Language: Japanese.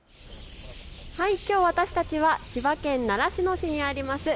きょう私たちは千葉県習志野市にあります